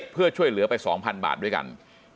เพื่อช่วยเหลือไป๒๐๐๐บาทด้วยกัน